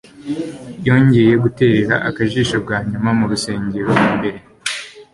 Yongera guterera akajisho bwa nyuma mu rusengero imbere,